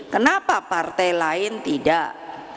kenapa partai lain tidak